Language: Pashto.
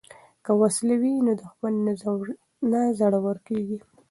که وسله وي نو دښمن نه زړور کیږي.